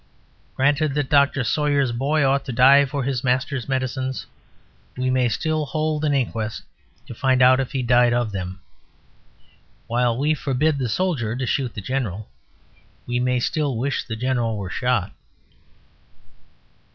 Granted that Dr. Sawyer's boy ought to die for his master's medicines, we may still hold an inquest to find out if he died of them. While we forbid the soldier to shoot the general, we may still wish the general were shot.